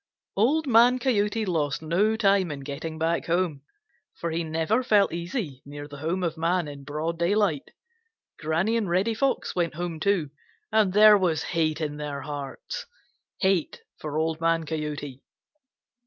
Old Man Coyote lost no time in getting back home, for he never felt easy near the home of man in broad daylight. Granny and Reddy Fox went home too, and there was hate in their hearts,—hate for Old Man Coyote.